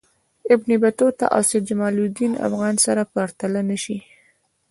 ابن بطوطه او سیدجماالدین افغان سره پرتله نه شي.